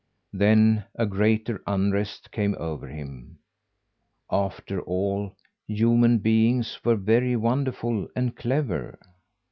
Then a greater unrest came over him. After all, human beings were very wonderful and clever.